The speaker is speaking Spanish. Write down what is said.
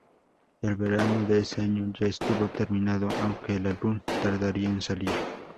El verano de ese año ya estuvo terminado, aunque el álbum tardaría en salir.